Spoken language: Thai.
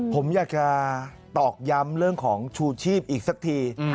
ผมอยากจะตอกย้ำเรื่องของชูชีพอีกสักที